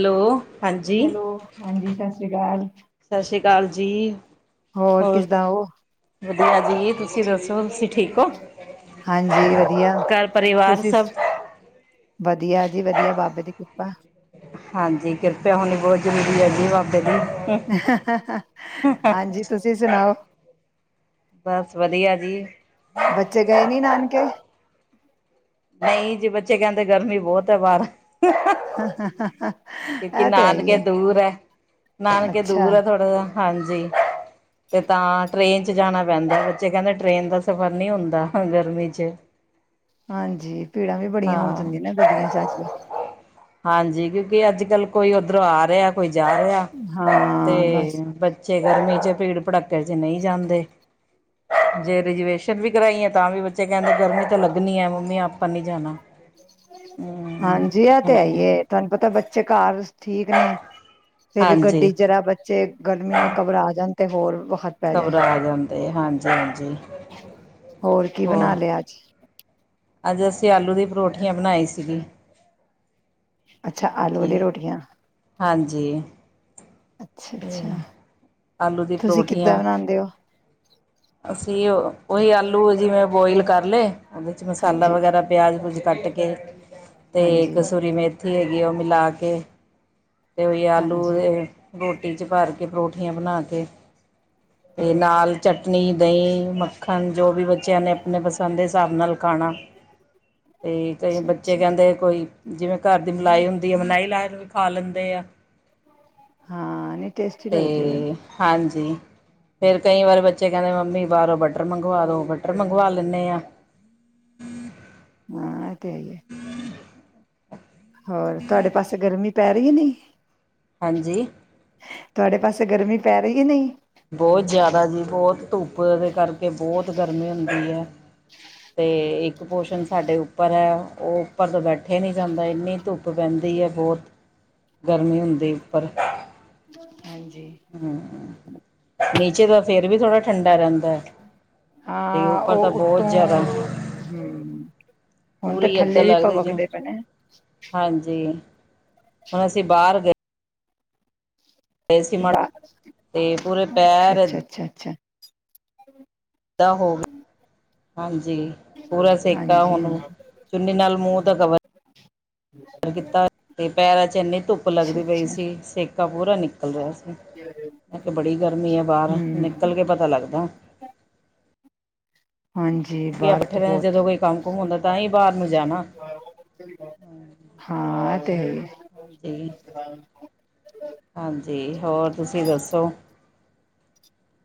Hello ਹਾਂਜੀ hello ਹਾਂਜੀ ਸਸ ਸ੍ਰੀ ਕਾਲ ਦਾਲ ਜੀ ਹੋਰ ਕਿਸਦਾ ਉ ਦਿਆ ਜੀ ਤੁਸੀਂ ਦੱਸੋ ਤੁਸੀਂ ਠੀਕ ਹੋ ਹਾਂਜੀ ਵਧੀਆ ਘਰ ਪਰਿਵਾਰ ਤੁਸੀਂ ਸਭ ਤੁ ਵਧੀਆ ਜੀ ਵਧੀਆ ਬਾਬੇ ਦੀ ਕਿਰਪਾ ਹਾਂਜੀ ਕਿਰਪਆ ਹੋਨੀ ਬਹੁਤ ਜ਼ਰੂਰੀ ਹੈ ਜੀ [unintelligible] [unintelligible] ਹਾਂਜੀ ਤੁਸੀਂ ਸੁਨਾਓ, ਬਸ ਵਧੀਆ ਜੀ ਬੱਚੇ ਗਏ ਨੀ ਨਾਨਕੇ? ਨਹੀਂ ਜੀ ਬੱਚੇ ਕਹਿੰਦੇ ਗਰਮੀ ਬਹੁਤ ਐ ਬਾਰ ਹਾਂ ਹਾਂ ਹਾਂ ਹਾਂ ਕਿਉਂਕਿ ਨਾਨਕੇ ਦੂਰ ਏ, ਨਾਨਕੇ ਦੂਰ ਅੱਛਾ ਐ ਥੋੜਾ ਜਾ, ਹਾਂਜੀ ਤੇ ਤਾਂ ਟ੍ਰੇਨ ਚ ਜਾਨਾ ਪੈਂਦੇ ਬੱਚੇ ਕਹਿੰਦੇ ਟ੍ਰੇਨ ਦਾ ਸਫ਼ਰ ਨਹੀਂ ਹੁੰਦਾ ਗਰਮੀ ਚ ਹਾਂਜੀ, ਭੀੜਾਂ ਵੀ ਬੜੀਆਂ ਹੋ ਹਾਂ ਜਾਂਦੀਆਂ ਨਾ ਗੱਡੀਆਂ ਚ ਅੱਜ [unintelligible] ਹਾਂਜੀ ਕਿਉਂਕਿ ਅੱਜ ਕੱਲ ਕੋਈ ਉੱਧਰੋਂ ਆ ਰਿਹਾ ਕੋਈ ਜਾ ਰਿਹਾ ਹਾਂ ਤੇ, ਬਸ ਬ ਜੇ ਗਰਮੀ ਚ ਪੀੜ ਪੜੱਕੇ ਚੱਕਰ ਚ ਨਹੀਂ ਜਾਂਦੇ ਜੇ ਰਜੂਏਸ਼ਨ ਵੀ ਕਰਾਈ ਆ ਤਾਂ ਵੀ ਬੱਚੇ ਕਹਿੰਦੇ ਗਰਮੀ ਤੇ ਲੱਗਨੀ ਐ ਮੰਮੀ ਆਪਾਂ ਨਹੀਂ ਜਾਨਾ ਹਾਂਜੀ ਅ ਤੇ ਹੈ ਹਾਂਜੀ ਈਏ ਤੁਹਾਨੂੰ ਪਤ ਤਾਂ ਬੱਚੇ ਘਰ ਠੀਕ ਨੇ ਫੇਰ ਗੱਡੀ ਹਾਂਜੀ ਜਰਾ ਬੱਚੇ ਗਰਮੀ ਨਾਲ ਘਬਰਾ ਜਾਂਦ ਅਤੇ ਹੋਰ ਵ ਘਬਰਾ ਜਾਂਦੇ, ਹਾਂਜੀ ਹਾਂਜੀ, ਕੀ ਹੋਰ? ਬਣਾ ਲਿਆ ਅੱਜ ਅੱਜ ਅਸੀਂ ਆਲੂ ਦੀ ਪਰੋਠੀਆਂ ਬਨਾਈ ਸੀਗੀ। ਅੱਛਾ ਆਲੂ ਵਾਲੀ ਹਾਂਜੀ ਰੋਟੀਆਂ ਹਾਂਜੀ ਅੱਛਾ ਤੇ ਅੱਛਾ ਆਲੂ ਦੀ ਤੁਸੀਂ ਕਿੱਦਾਂ ਪਰੌਠੀਆਂ ਬਣਾਉਦੇ ਹੋ ਅਸੀਂ ਉਹੀ ਆਲੂ ਜਿਵੇਂ ਬੋਇਲ ਕਰ ਲਏ ਮਸਾਲਾ ਹਾਂਜੀ, ਵਗੈਰਾ ਪਿਆਜਜ ਕੱਟ ਕੇ ਤੇ ਹਾਂਜੀ, ਕਸੂਰੀ ਮੇ ਉੱਥੇ ਹੈਗੀ ਉਹ ਮਿਲਾ ਕੇ ਤੇ ਹੋਈ ਆਲੂ ਹਾਂਜੀ, ਦੇ ਰੋਟੀ 'ਚ ਭਰ ਕੇ ਪਰੌਠੀਆਂ ਬਣਾ ਕੇ ਅਤੇ ਨਾਲ ਚਟਨੀ ਦਹੀਂ ਮੱਖਣ ਜੋ ਵੀ ਵਆ ਬੱਚਿਆਂ ਨੇ ਆਪਣੇ ਪਸੰਦ ਦੇ ਸਾਬ ਨਾਲਲ ਕਣਾ ਅਤੇ ਕਈ ਅੱਛਾ, ਬੱਚੇ ਅੱਛਾ ਕਹਿੰਦੇ ਕੋਈ ਜਿਵੇਂ ਘਰ ਦੀ ਮਲਾਈ ਹੁੰਦੀ ਆ ਮਨਾਈ ਲਾ ਵੀ ਖਾ ਲੈਂਦੇ ਆ ਹਾਂ ਨਹੀਂ ਟੇਸਟੀ ਲੱਗਦੀ ਉਹਦੇ ਤੇ ਹਾਂਜੀ ਫੇਰ ਕਈ ਵਾਰੀ ਬੱਚੇ ਕਹਿੰਦੇ ਮੰਮੀ ਬਾਹਰੋਂ ਬਟਰ ਮੰਗਵਾ ਦੋ ਬਟਰ ਮੰਗਵਾ ਲੈਂਦੇ ਆ ਨਾਲ ਹਾਂ ਇਹ ਤੇ ਹੈਈਏ ਹੋਰ ਤੁਹਾਡੇ ਪਾਸੇ ਗਰਮੀ ਪੈ ਰਹੀ ਹੈ ਨਹੀਂੀ ਹਾਂਜੀ ਤੁਹਾਡੇ ਪਾਸੇ ਗਰਮੀ ਪੈ ਰਹੀ ਹੀ ਨਹੀਂ ਬਹੁਤ ਜ਼ਿਆਦਾ ਜੀ ਬਹੁਤ ਧੁੱਪ ਦੇ ਕਰਕੇ ਬਹੁਤ ਗਰਮੀ ਹੁੰਦੀ ਹੈ ਤੇ ਇੱਕ ਕੁਪੋਸ਼ਣ ਸਾਡੇ ਉੱਪਰ ਹੈ ਉਹ ਉੱਪਰ ਤਾਂ ਬੈਠੇ ਨਹੀਂ ਜਾਂਦਾ ਇੰਨੀ ਧੁੱਪ ਪੈਂਦੀ ਹੈ ਬਹੁਤ ਗਰਮੀ ਹੁੰਦੀ ਉੱਪਰ ਬ ਹਮਮ ਨਹੀਂ ਫੇਰ ਵੀ ਥੋੜਾ ਠੰਡਾ ਰਹਿੰਦਾ ਹੈ ਤੇ ਹਾਂ ਉੱਪਰ ਤਾਂ ਉਹ ਬਹੁਤ ਉੱਤੋਂ ਜ਼ਿਆਦਾ ਹਮ ਹੁਣ ਤੇ ਪੂਰੀ ਇਏੱਦਾਂ ਥੱਲੇ ਵੀ ਲੱਗਦੀ ਜ ਭਵਕਦੇ ਪਏ ਨੇ ਹਾਂਜੀ ਹੁਣ ਅਸੀਂ ਬਾਹਰ ਗਏ ਗਏ ਸੀ ੱ ਮ ਬਾ ਤੇ ਪੂਰੇ ਅੱਛਾ ਪੈਰ ਅੱਛਾ ਅੱਛਾ ਅੱਛਾ ਹੋਵੇ ਹਾਂਜੀ ਪੂਰਾ ਸੇਕਾ ਹਾਂਜੀ, ਹਾਂਜੀ ਹੁਣ ਚੁੰਨੀ ਨਾਲ ਮੂੰਹ ਦਾ ਕਵਰ ਕੀਤਾ ਤੇ ਪੈਰਾਂ ਚ ਇੰਨੀ ਧੁੱਪ ਅੱਛਾ, ਲੱਗਦੀ ਪਈ ਅੱਛਾ ਸੀ ਸਿੱਖ ਕਾ ਪੂਰਾ ਨਿਕਲ ਰਿਹਾ ਸੀ ਮ ਕਿਹਾ ਬੜੀ ਗਰਮੀ ਹੈ ਬਾਹਰ ਹਮ ਨਿਕਲ ਕੇ ਪਤਾ ਲੱਗਦਾ ਹਾਂਜੀ ਕਿ ਬਰ ਪੱਠੇ ਤੋਂ ਦੇ ਬਹੁਤ ਜਦੋਂ ਕੋਈ ਕੰਮ ਕੁਮ ਹੁੰਦਾ ਤਾਂ ਹੀ ਬਾਹਰ ਨੂੰ ਜਾਣਾ ਹਾਂ ਅਤੇ ਹਾਂਜੀ ਹਾਂਜੀ ਹੋਰ ਤੁਸੀਂ ਦੱਸੋ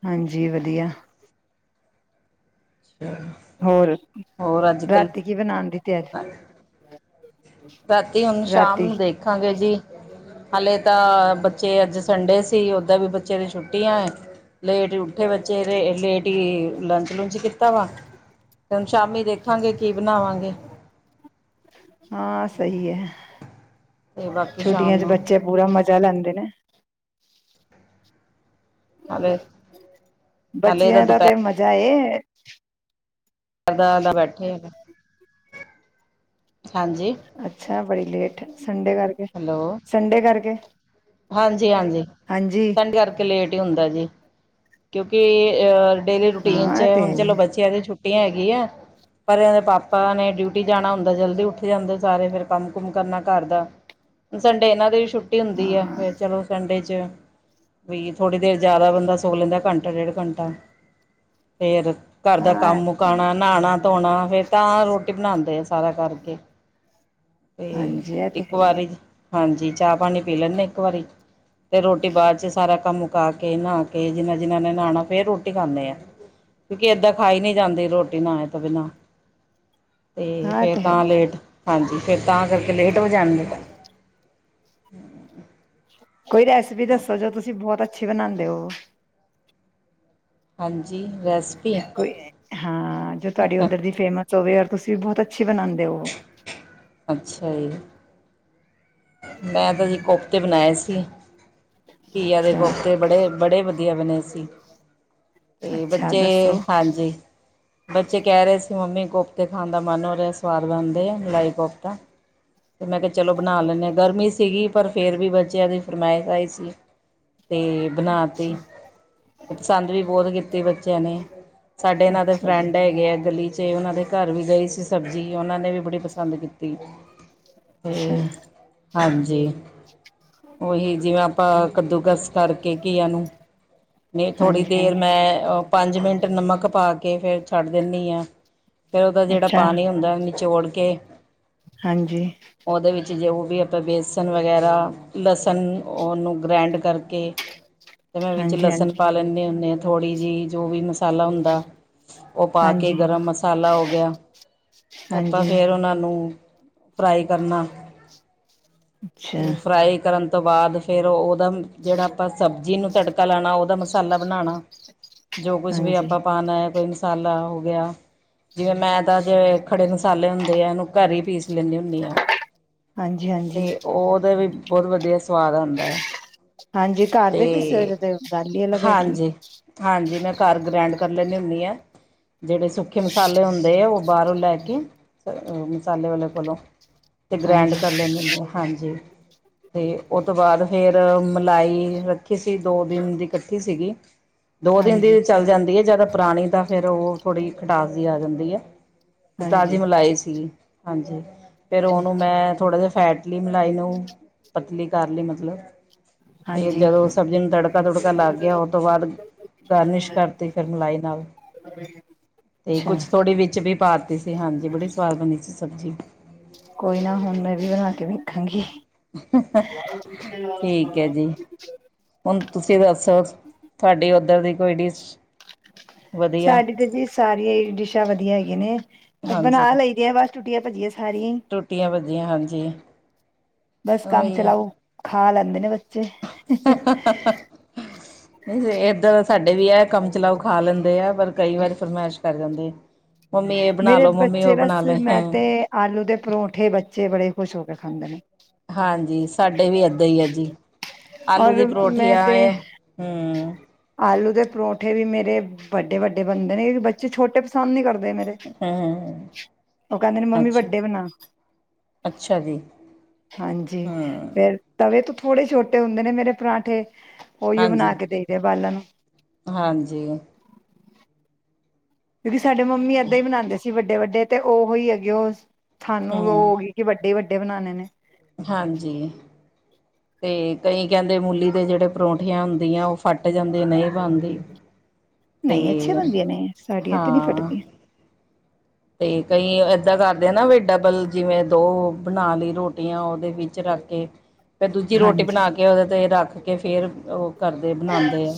ਹਾਂਜੀ ਵਧੀਆ ਅੱਛਾ ਹੋਰ ਰਾਤੀ ਕੀ ਬਣਾਉਣ ਦੀ ਤਿਆਰੀ ਰਾਤੀ ਹੁਣ ਸ਼ਾਮ ਰਾਤੀ ਨੂੰ ਦੇਖਾਂਗੇ ਜੀ ਹਲੇੇ ਤਾਂ ਬੱਚੇ ਅੱਜ ਸੰਡੇ ਸੀ ਉਓਦਾਂ ਵੀ ਬੱਚੇ ਦੀ ਛੁੱਟੀਆਂ ਲੇਟ ਇਕੱਠੇ ਬੱਚੇ ਲੇਡੀ ਲੰਚ ਨੂੰ ਕੀਤਾ ਵਾ ਤੇ ਹੁਣ ਸ਼ਾਮੀ ਦੇਖਾਂਗੇ ਕੀ ਬਣਾਵਾਂਗੇ ਹਾਂ ਸਹੀ ਹੈ ਤੇ ਬਾਕੀ ਸ਼ਾਮ ਛੁੱਟੀਆਂ ਚ ਨੂੰ ਬੱਚੇ ਪੂਰਾ ਮਜ਼ਾ ਲੈਂਦੇ ਨੇ ਹਾਲੇ ਹਾਲੇ ਤਾਂ ਬੱਚਿਆਂ ਦਾ ਤੇ ਦੁਪਹਿਰ ਮਜ਼ਾਏ ਹ। ਕਰਦਾਦਾ ਬੈਠੇ ਆ ਹਾਂਜੀ। ਅੱਛਾ ਬੜੀ ਲੇਟ। ਸੰਡੇ ਕਰਕੇ ਹੈਲੋ ਸੰਡੇ ਕਰਕੇ ਹਾਂਜੀ ਹਾਂਜੀ ਹਾਂਜੀ ਸੈਂਡ ਕਰਕੇ ਲੇਟ ਹੀ ਹੁੰਦਾ ਜੀ। ਕਿਉਂਕਿ ਇਹ ਅਹ ਡੇਲੀ ਰੂਟੀਨ ਹਾਂ ਚ ਇਹ ਤੇ ਹੈ ਹੁਣ ਹੀ ਚਲੋ ਹੈ ਬੱਚਿਆਂ ਦੀ ਛੁੱਟੀ ਛੁੱਟੀ ਹੈਗੀ ਆ ਪਰ ਇਹ ਦੇ ਪਾਪਾ ਨੇ ਡਿਊਟੀ ਜਾਣਾ ਹੁੰਦਾ ਜਲਦੀ ਉੱਠ ਜਾਂਦੇ ਸਾਰੇ ਫਰ ਕੰਮ ਕੁਮ ਕਰਨਾ ਘਰ ਦਾ ਸੰਡੇ ਇਹਨਾਂ ਦੇ ਛੁੱ ਰੁਟੀ ਹੁੰਦੀ ਹੈ ਹਾਂ ਫਿਰ ਚਲੋ ਸੰਡੇ 'ਚ ਵੀ ਥੋੜੀ ਦੇਰ ਜ਼ਿਆਦਾ ਬੰਦਾ ਸੁੱਕ ਲੈਂਦਾ ਘੰਟਾ ਡੇਢ ਘੰਟਾ ਫਰ ਘਰ ਦਾ ਹਾਂ ਕੰਮ ਮੁਕਾਉਣਾ ਨਹਾਣਾ ਧੋਣਾ ਫੇਰ ਤਾਂ ਰੋਟੀ ਬਣਾਉਦੇ ਆ ਸਾਰਾ ਕਰਕੇ ਤੇ ਹਾਂਜੀ ਇਹ ਤੇ ਇੱਕ ਹੈ ਹੀ ਵਾਰੀ ਹਾਂਜੀ ਚਾਹ ਪਾਣੀ ਪੀ ਲੈਂਦੇ ਇੱਕ ਵਾਰੀ ਤੇ ਰੋਟੀ ਬਾਅਦ ਚ ਸਾਰਾ ਕੰਮ ਮੁਕਾ ਕੇ ਨਹਾ ਕੇ ਜਿਨਾ ਜਿਨਾਂ ਨੇ ਨਹਾਉਣਾ ਫੇਿਰ ਰੋਟੀ ਖਾਂਦੇ ਆ ਕਿਉਂਕਿ ਏਦਾਂ ਖਾਈ ਨੀ ਜਾਂਦੀ ਰੋਟੀ ਨਏ ਤੋਂ ਬਿਨਾ ਹੈ ਅਤੇ ਹਾਂ ਇਹ ਫਿਰ ਤੇ ਹੈ ਤਾਂ ਲੇਟ ਹਾਂਜੀ ਫਿਰ ਤਾਂ ਕਰਕੇ ਲੇਟ ਹੋ ਜਾਣਗੇਗਾ। ਹਮ। ਕੋਈ ਰੈਸਪੀ ਦੱਸੋ ਜੋ ਤੁਸੀਂ ਬਹੁਤ ਅੱਛੀ ਬਣਾਉਂਦੇ ਹੋ। ਹਾਂਜੀ। ਰੈਸਪੀ ਕੋਈ ਹਾਂ ਜੋ ਤੁਹਾਡੀ ਉੱਧਰ ਦੀ ਫੇਮਸ ਸੋਵੇਰ ਤੁਸੀਂ ਵੀ ਬਹੁਤ ਅੱਛੀ ਬਣਾਉਂਦੇ ਹੋ। ਅੱਛਾ ਜੀ। ਮੈਂ ਤਾਂ ਜੀ ਕੋਫਤੇ ਬਣਾਏ ਸੀ। ੇ। ਘਆ ਦੇ ਅੱਛਾ ਕੋਫਤੇ ਬੜੇ ਬੜੇ ਵਧੀਆ ਬਣਾ ਸੀ। ਤੇ ਅੱਛਾ ਬੱਚੇ ਦੱਸੋ ਹਾਂਜੀ ਬੱਚੇ ਕਹਿ ਰਹੇ ਸੀ ਮੰਮੀ ਕੋਫਤੇ ਖਾਣ ਦਾ ਮਨ ਹੋ ਰਿਹਾ ਸਵਾਦ ਬਣਦੇ ਆ ਮਲਾਈ ਕੋਫਤਾ ਤੇ ਮੈਂ ਕਿਹਾ ਚਲੋ ਬਣਾ ਲੈਂਨ ਹਾਂ। ਸੀਗੀ ਪਰ ਫਿਰ ਵੀ ਬੱਚਿਆਂ ਦੀ ਫਰਮਾਇਸ਼ ਆਈ ਸੀ। ਅਤੇ ਬਣਾ ਤ ਅਤੇ ਪਸੰਦ ਵੀ ਬਹੁਤ ਕੀਤੀ ਬੱਚਿਆਂ ਨੇ ਸਾਡੇ ਇਹਨਾਂ ਦੇ ਅੱਛਾ ਜੀ ਫਰੈਂਡ ਹੈਗੇ ਆ ਗਲੀ 'ਚ ਉਹਨਾਂ ਦੇ ਘਰ ਵੀ ਗਈ ਸੀ ਸਬਜ਼ੀ ਉਹਨਾਂ ਨੇ ਵੀ ਬੜੀ ਪਸੰਦ ਕੀਤੀ। ਅੱਛਾ ਫਿਰ। ਹਾਂਜੀ। ਉਹੀ ਜਿਵੇਂ ਆਪਾਂ ਕੱਦੂਕਸ ਕਰਕੇ ਘੀਆ ਨੂੰ ਨਹੀਂ ਥੋੜ੍ਹੀ ਹਾਂਜੀ ਦੇਰ ਹਾਂਜੀ ਮੈਂ ਪੰਜ ਮਿੰਟ ਨਮਕ ਪਾ ਕੇ ਕੇ ਫਿਰ ਛੱਡ ਦਿੰਦੀ ਹਾਂ ਫਿਰ ਉਹਦਾ ਜਿਹੜਾ ਅੱਛਾ ਪਾਣੀ ਹੁੰਦਾ ਜੋੋੜ ਕੇ ਹਾਂਜੀ ਉਹਦੇ ਵਿੱਚ ਜੇ ਜੌ ਬੇਸਣ ਵਗੈਰਾ ਲਸਣ ਉਹਨੂੰ ਗ੍ਰੈਂਡ ਕਰਕੇ ਤੇ ਮੈਂ ਵਿੱਚ ਹਾਂਜੀ ਲਸਣ ਹਾਂਜੀ ਪਾ ਲੈਂਦੀ ਹੁੰਦੀ ਹਾਂ ਥੋੜ੍ਹੀ ਜਿਹੀ ਜੋ ਵੀ ਮਸਾਲਾ ਹੁੰਦਾ ਉਹ ਪਾ ਕੇ ਹਾਂਜੀ ਗਰਮ ਮਸਾਲਾ ਹੋ ਗਿਆ ਤੇ ਆਪਾਂ ਹਾਂਜੀ ਫੇਰ ਉਹਨਾਂ ਨੂੰ ਫਰਾਈ ਕਰਨਾ ਅੱਛਾ ਤੇ ਫਰਾਈ ਕਰਨ ਉਸ ਤੋਂ ਬਾਅਦ ਫਿਰ ਉਹਦਾ ਜਿਹੜਾ ਆਪਾਂ ਸਬਜ਼ੀ ਨੂੰ ਤੜਕਾ ਲਾਉਣਾ ਉਹਦਾ ਮਸਾਲਾ ਬਣਾਉਣਾ ਜੋ ਕੁਛ ਵੀ ਹਾਂਜੀ ਆਪਾਂ ਪਾਉਣਾ ਹੈ ਕੋਈ ਮਸਾਲਾ ਹੋ ਗਿਆ ਜਿਵੇਂ ਮੈਂ ਤਾਂ ਜਿਹੜੇ ਖੜੇ ਮਸਾਲੇ ਹੁੰਦੇ ਆ ਉਹਨੂੰ ਘਰ ਹੀ ਪੀਸ ਪੀਹ ਲੈਂਨੀ ਹੁੰਨੀ ਆ ਹਾਂਜੀ ਹਾਂਜੀ ਅਤੇ ਉਹਦੇ ਵੀ ਬਹੁਤ ਵਧੀਆ ਸਵਾਦ ਆਉਂਦਾ ਹੈ ਹਾਂਜੀ ਘਰ ਤੇ ਦੇ ਪੀਸੇ ਹੋਏ ਤੇ ਗੱਲ ਹੀ ਅਲੱਗ ਹੈਗੀ ਹਾਂਜੀ ਹਾਂਜੀ ਮੈਂ ਘਰ ਗ੍ਰੈਂਡ ਕਰ ਲੈਂਦੀ ਹੁੰਦੀ ਆ ਜਿਹੜੇ ਸੁੱਕੇ ਮਸਾਲੇ ਹੁੰਦੇ ਆ ਉਹ ਬਾਹਰੋਂ ਲੈ ਕੇ ਮਸਾਲੇ ਵਾਲੇ ਕੋਲੋਂ ਤੇ ਗ੍ਰੈਂਡ ਹਾਂਜੀ ਕਰ ਲੈਂਦੇ ਹੁੰਦੇ ਆ। ਹਾਂਜੀ, ਤੇ ਓਤੋਂ ਬਾਅਦ ਫੇਰ, ਮਲਾਈ ਰੱਖੀ ਸੀ ਦੋ ਦਿਨ ਦੀ ਕੱਠੀ ਸੀਗੀ। ਦੋ ਦਿਨ ਦੀ ਹਾਂਜੀ ਤੇ ਚੱਲ ਜਾਂਦੀ ਐ ਜਾਅਦਾ ਪੁਰਾਣੀ ਤਾਂ ਫੇਰ ਓਹ, ਥੋੜ੍ਹੀ ਖਟਾਸ ਜ਼ੀ ਆ ਜਾਂਦੀ ਐ। ਤੇ ਹਾਂਜੀ ਤਾਜੀ ਮਲਾਈ ਸੀਗੀ। ਹਾਂਜੀ। ਫੇਰ ਅੱਛਾ ਉਨੂੰ ਅੱਛਾ ਮੈਂ, ਥੋੜ੍ਹਾ ਜੇਆ ਫੈਂਟ ਪਤਲੀ ਮਲਾਈ ਨੂੰ, ਪਤਲੀ ਕਰ ਲਈ ਮਤਲਬ? ਫਿਰ ਹਾਂਜੀ ਜਦੋਂ ਸਬਜੀ ਨੂੰ ਤੜਕਾ ਤੁੜਕਾ ਲੱਗ ਗੇਆ ਓਤੋਂ ਬਾਅਦ, ਗਾਰਨਿਸ਼ ਕਰਤੀ ਫਿਰ ਮਲਾਈ ਨਾਲ, ਤੇ ਅੱਛਾ ਕੁਛ ਥੋੜ੍ਹੀ ਵਿੱਚ ਵੀ ਪਾਤੀ ਸੀ, ਹਾਂਜੀ ਬੜੀ ਸਵਾਦ ਬਣੀ ਸੀ ਸਬਜੀ। ਕੋਈ ਨਾ ਹੁਣ ਮੈਂ ਵੀ ਬਣਾ ਕੇ ਵੇਖਾਂਗੀ। [inaudible] ਠੀਕ ਹੈ ਜੀ ਹੁਣ ਤੁਸੀਂ ਦੱਸੋ, ਤੁਹਾਡੀ ਓੱਧਰ ਦੀ ਕੋਈ ਡਿਸ਼? ਵਧੀਆ ਸਾਡੇ ਤੇ ਜੀ ਸਾਰੀਆ ਈ, ਡਿਸ਼ਾਂ ਵਧੀਆ ਹੈਗੀਆਂ ਨੇ। ਬਣਾ ਲਈ ਦੀ ਆ ਬਸ। ਟੁਟੀਆਂ ਭੱਜੀਆਂ ਸਾਰੀਆਂ ਹੀ ਟੂਟੀਆਂ ਵੱਜੀਆਂ ਹਾਂਜੀ। ਬਸ ਕੰਮ ਚਲਾਓ, ਖਾਲ [unintelligible] [unintelligible] ਨਈਂ ਸਈ ਏਦਾ ਸਾਡੇ ਵੀ ਐ ਕੰਮ ਚਲਾਓ ਖਾ ਲੈਂਦੇ ਆ, ਪਰ ਕਈ ਵਾਰੀ ਫਰਮਐਸ਼ ਕਰ ਜਾਂਦੇ। ਮੰਮੀ ਇਹ ਬਣਾ ਮੇਰੇ ਲਓ ਮੰਮੀ ਬੱਚੇ ਉਹ ਬਣਾ ਬਸ ਲੈ ਮੈਂ ਤੇ, ਆਲੂ ਦੇ ਪਰੌਂਠੇ ਬੇ ਬੱਚੇ ਬੜੇ ਖੁਸ਼ ਹੋ ਕੇ ਖਾਂਦੇ ਨੇ। ਹਾਂਜੀ, ਸਾਡੇ ਵੀ ਏਦਾਂ ਈ ਐ ਜੀ, ਆਲੂ ਦੀ ਔਰ ਪਰੌਂਠੀ ਮੈਂ ਆ ਤੇ ਏ, ਹੰਮ੍ਹ। ਵੱਡੇ-ਵੱਡੇ ਬਣਦੇ ਨੇ ਏ ਵੀ ਬੱਚੇ ਛੋਟੇ ਪਸੰਦ ਨੀ ਕਰ ਮੇਰੇ, ਹਮ ਓ ਕੈਂਦੇ ਨੇ ਮੰਮੀ ਅੱਛਾ ਵੱਡੇ ਬਣਾ। ਅੱਛਾ ਜੀ ਹਾਂਜੀ, ਹਮ ਫੇਰ ਤਵੇ ਤੋਂ ਥੋੜ੍ਹਗ ਛੋਟੇ ਹੁੰਦੇ ਨੇ ਮੇਰੇ ਪਰਾਠੇਂ। ਓਈਓ ਹਾਂਜੀ ਬਣਾ ਕੇ ਦਈਦੇ ਬਾਲਾਂ ਨੂੰ। ਹਾਂਜੀ ਰਿ ਸਾਡੇ ਮੰਮੀ ਏਦਾਂ ਈ ਬਣਾਂਦੇ ਸੀ ਵੱਡੇ। ਵੱਡੇ ਵੱਡੇ ਤੇ ਓਹੋ ਈ ਹੈਗੇ ਓਸ ਥਾਨੂੰ ਹਮ ਲੋ ਗੀ ਕਿ ਵੱਡੇ ਵੱਡੇ ਬਣਾਣੇ ਨੇ। ਹਾਂਜੀ 'ਤੇ ਕਈ ਕਹਿੰਦੇ ਮੂਲੀ ਦੇ ਜਿਹੜੇ ਪਰੌਂਠੀਆਂ ਹੁੰਦੀਆਂ ਉਹ ਫੱਟ ਜਾਂਦੇ ਨਹੀਂ ਬਣਦੀ। ਨਹੀਂ, ਅੱਛੇ ਤੇ ਬਣਦਿਆਂ ਨੇ ਸਾਡੀਆਂ ਤੇ ਨਹੀਂ ਹਾਂ ਫੱਟਦੀਆਂ। 'ਤੇ ਕਈ ਏਦਾਂ ਕਰਦੇ ਨਾ ਵੀ ਡਬਲ ਜਿਵੇਂ ਦੋ ਬਣਾ ਲਈ ਰੋਟੀਆਂ ਉਹਦੇ ਵਿੱਚ ਰੱਖ ਕੇ ਫੇਰ ਦੂਜੀ ਰੋਟੀ ਹਾਂਜੀ ਬਣਾ ਕੇ ਉਹਦੇ ਤੇ ਰੱਖ 'ਤ ਫੇਰ, ਉਹ। ਕਰਦੇ ਬਣਾਉਂਦੇ ਆ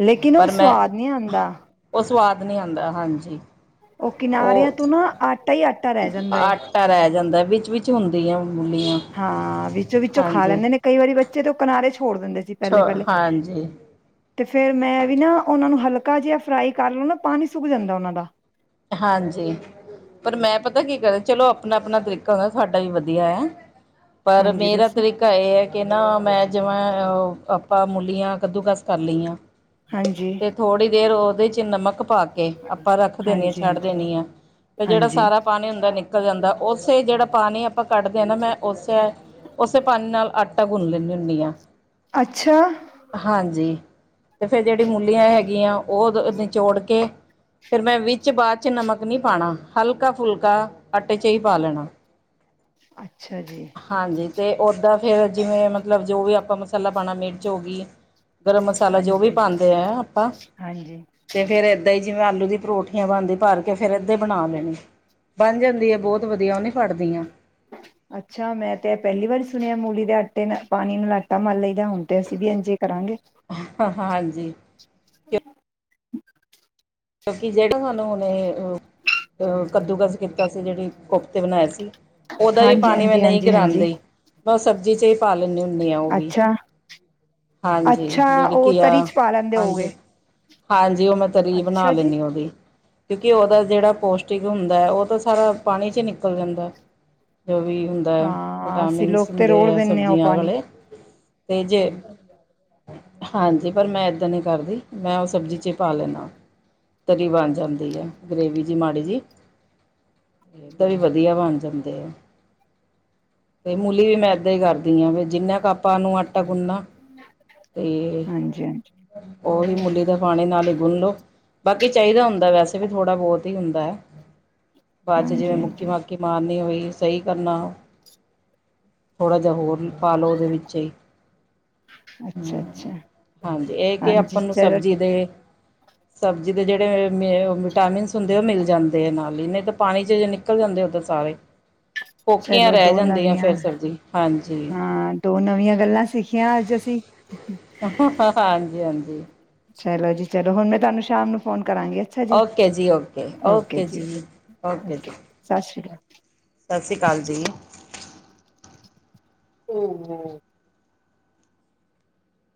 ਲੇਕਿਨ, ਉਹ ਪਰ ਮੈਂ ਸਵਾਦ ਨਹੀਂ ਆਉਂਦਾ। ਉਹ ਸਵਾਦ ਨਹੀਂ ਆਂਦਾ, ਹਾਂਜੀ! ਓਕੇ। ਕਿਨਾਰਿਆਂ ਉਹ ਤੋਂ ਨਾ, ਆਟਾ ਈ ਆਟਾ ਰਹਿ ਜਾਂਦਾ ਐ। 'ਚ ਹੁੰਦੀ ਐ। ਹਾਂ! ਵਿੱਚੋਂ-ਵਿੱਚੋਂ ਖਾ ਲੈਂਦੇ ਨੇ ਕਈ ਵਾਰੀ ਬੇ ਜਦੋਂ ਕਿਨਾਰੇ ਛੋੜ ਦਿੰਦੇ ਸੀ ਛ ਪਹਿਲੇ ਪਹਿਲੇ। ਹਾਂਜੀ ਤੇ ਫੇਰ ਮੈਂ ਵੀ ਨਾ ਉਹਨਾਂ ਨੂੰ ਹੈਲਪ ਮੱਕਾ ਜਿਹਾ ਫਰਾਈ ਕਰ ਲਉ ਨਾ ਪਾਣੀ ਸੁੱਕ ਜਾਂਦਾ ਉਹਨਾਂ ਦਾ ਹਾਂਜੀ! ਪਰ ਮੈਂ ਪਤਾ ਕੀ ਕਰਦਾ? ਚਲੋ ਆਪਣਾ-ਆਪਣਾ ਤਰੀਕਾ ਹੁੰਦਾ, ਸਾਡਾ ਵੀ ਵਧੀਆ ਹੈ। ਪਰ, ਹਾਂਜੀ ਮੇਰਾ ਦੱਸੋ ਤਰੀਕਾ ਇਹ ਹੈ ਕਿ ਨਾ, ਮੈਂ ਜਿਵੇ ਅ ਆਪਾਂ ਮੁੱਲੀਆਂ ਕੱਦੂਕਸ ਕਰ ਲਈਆਂ। ਹਾਂਜੀ ਤੇ ਥੋੜ੍ਹੀ ਦੇਰ ਉਹਦੇ ਚ ਚਿੰਨਾ ਮਕ ਪਾ ਕੇ ਆਪਾਂ ਰੱਖਦੇਦੇ ਹਾਂ। ਹਾਂਜੀ ਛੱਡ ਹਾਂਜੀ ਦੇਣੀ ਆ ਤੇ ਜਿਹੜਾ ਹਾਂਜੀ ਸਾਰਾ ਪਾਣੀ ਹੁੰਦਾ ਨਿਕਲ ਜਾਂਦਾ ਉਸੇ ਜਿਹੜਾ ਪਾਣੀ ਆਪਾਂ ਕੱਢਦੇ ਹਾਂ ਨਾ ਮੈਂ ਉਸੇ ਉਸੇ ਪਾਣੀ ਨਾਲ ਆਟਾ ਗੁੰਨ ਲੈਂਦੀ ਹੁੰਦੀ ਹਾਂ। ਅੱਛਾ ਹਾਂਜੀ। ਤੇ ਫੇਰ ਜਿਹੜੀ ਮੂਲੀਆਂ ਹੈਗੀਆਂ ਉਹ ਨਿਚੋੜ ਕੇ ਫੇਰ ਮੈਂ ਵਿੱਚ ਚ ਬਾਅਦ ਚ ਨਮਕ ਨਹੀਂ ਪਾਉਣਾ ਹਲਕਾ ਫੁਲਕਾ ਆਟੇ ਚ ਹੀ ਪਾ ਲੈਣਾ। ਅੱਛਾ। ਅੱਛਾ ਜੀ। ਅਤੇ ਉਓਦਾਂ ਫਿਰ ਜਿਵੇਂ ਮਤਲਬ ਜੋ ਵੀ ਆਪਾਂ ਮਸਾਲਾ ਪਾਉਣਾ ਮਿਰਚ ਹੋ ਗਈ। ਗਰਮ ਮਸਾਲਾ ਜੋ ਵੀ ਹਾਂਜੀ ਪਾਉਂਦੇ ਆ ਆਪਾਂ ਹਾਂਜੀ ਤੇ ਫੇਰ ਏਦਾਂ ਹੀ ਜਿਵੇਂ ਆਲੂ ਦੀ ਪਰੋਠੀਆਂ ਬਣਦੇ ਭਰ ਕੇ ਫਿਰ ਦੇ ਬਣਾ ਲੈਣੇ ਬਣ ਜਾਂਦੀ ਆ ਬਹੁਤ ਵਧੀਆ ਉਹਨੇ ਫੜਦੀਆਂ ਅੱਛਾ ਮੈਂ ਤੇ ਪਹਿਲੀ ਵਾਰੀ ਸੁਣਿਆ ਮੂਲੀ ਦੇ ਆਟੇ ਨਾਲ ਪਾਣੀ ਨੂੰ ਆਟਾ ਮਨ ਲਈਦਾ ਹੁਣ ਤੇ ਅਸੀਂ ਵੀ ਅੰਜੇ ਹਾਂਜੀ। [inaudible] ਕਿਉਕਿ ਜਿਹੜਾ ਸਾਨੂੰ ਹੁਣੇ ਕੱਦੂਕਸ ਕੀਤਾ। ਪੈਸੇ ਜਿਹੜੀ ਕੁਫਤੇ ਬਣਾਏ ਸੀ। ਉਹਦਾ ਵੀ ਹਾਂਜੀ ਪਾਣੀ ਮੈਂ ਹਾਂਜੀ ਨਹੀਂ ਹਾਂਜੀ ਹਾਂਜੀ ਗਰਾਉਂਦੀ ਮ ਸਬਜ਼ ' ਚ ਹੀ ਪਾਲਣੀਦੀ ਹੋੁੰ ਹ ਆ ਉਹ ਵੀ ਅੱਛਾ ਹਾਂਜੀ! ਅੱਛਾ ਜਿਹੜੀ ਉਹ ਕੀਆ ਤਰੀ ਚ ਪਾ ਲੈਂਦੇ ਹਾਂਜੀ! ਹੋਗੇ ਹਾਂਜੀ! ਉਹ ਮੈਂ ਤਰੀ ਬਣਾ ਅੱਛਾ ਜੀ ਲੈਂਦੀ ਉਹਦੀ ਕਿਉਂਕਿ ਉਹਦਾ ਜਿਹੜਾ ਪੋਸ਼ਟਿਕ ਹੁੰਦਾ ਹੈ ਉਹ ਤਾਂ ਸਾਰਾ ਪਾਣੀ 'ਚ ਨਿਕਲ ਜਾਂਦਾ। ਜੋ ਵੀ ਹੁੰਦੈ। ਹਾਂ ਅਸੀਂ ਵਿਟਾਮਿਨਸ ਲੋਕ ਤੇ ਹੁੰਦੇ ਰੋੜ ਹੈ ਦਿੰਦੇ ਹਾਂ ਉਹ ਸਬਜ਼ੀਆਂ ਪਾਣੀ ਵਾਲੇ ਤੇ ਜੇ ਹਾਂਜੀ ਪਰ ਮੈਂ ਏਦਾਂ ਨੀ ਕਰਦੀ। ਮੈਂ ਉਹ ਸਬਜ਼ੀ ਚ ਪਾ ਲੈਨਾ। ਤਰੀ ਬਣ ਜਾਂਦੀ ਆ ਗ੍ਰਰੇਵੀ ਜਿ ਮਾੜੀ ਜੀ, ਤਾ ਵਧੀਆ ਬਣ ਜਾਂਦੇ ਆ ਤੇ ਮੂਲੀ ਵੀ ਮੈਂ ਏਦਾਂ ਹੀ ਕਰਦੀ ਹਾਂ। ਪਾਂਪਾ ਨੂੰ ਆਟਾ ਗੁੰਨਾ ਤੇ, ਹਾਂਜੀ ਹਾਂਜੀ ਉਹੀ ਮੂਲੀ ਦੇ ਪਾਣੀ ਨਾਲ! ਬੋਲੋ, ਬਾਕੀ ਚਾਹੀਦਾ ਹੁੰਦਾ ਵੈਸੇ ਵੀ ਥੋੜ੍ਹਾ ਬਹੁਤ ਹੀ ਹੁੰਦੈ! ਬਾਅਦ ਚ, ਜਿਵੇਂ ਹਾਂਜੀ ਮੁੱਕੀ ਹਾਂਜੀ ਮਾਕੀ ਮਾਰਨੀ ਹੋਈ। ਸਹੀ ਕਰਨਾ, ਥੋੜ੍ਹਾ ਜਿਹਾ ਹੋਰ ਪਾਲੋ ਉਹਦੇ ਵਿੱਚ ਈ ਅੱਛਾ ਹਮ। ਅੱਛਾ ਹਾਂਜੀ, ਇਹ ਕਿ ਹਾਂਜੀ ਆਪਾਂ ਨੂੰ ਚਲੋ ਸਬਜ਼ੀ ਦੇ ਸਬਜ਼ੀ ਦੇ ਜਿਹੜੇ ਵਿਟਾਮਿਨ ਹੁੰਦੇ, ਉਹ ਮਿਲ ਜਾਂਦੇ ਆ। ਨਾਲ ਹੀ ਨਹੀਂ ਤਾਂ ਪਾਣੀ ਚ, ਨਿਕਲ ਜਾਂਦੇ ਉਦੇ ਸਾਰੇ। ਕੋਕੀਆਂ ਚਲੋ ਰਹਿ ਦੋ ਜਾਂਦੀਆਂ ਨਵੀਆਂ, ਫਿਰ ਸਬਜ਼ੀ ਹਾਂਜੀ ਹਾਂ ਦੋ ਨਵੀਆਂ ਗੱਲਾਂ ਸਿੱਖੀਆਂ ਅੱਜ ਅਸੀਂ! ਹਾਂਜੀ, ਹਾਂਜੀ। ਚਲੋ ਜੀ ਚਲੋ, ਹੁਣ ਮੈਂ ਤੁਹਾਨੂੰ ਸ਼ਾਮ ਨੂੰ ਫੋਨ ਕਰਾਂਗੀ ਅੱਛਾ ਓਕੇ ਜੀ ਓਕੇ, ਓਕੇ ਜੀ, ਓਕੇ ਜੀ! ਸਤਿ ਸ਼੍ਰੀ ਅਕਾਲ ਸਾਸ੍ਰੀ ਅਕਾਲ ਜੀ। ਹੂੰ